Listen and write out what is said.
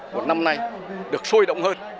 của năm nay được sôi động hơn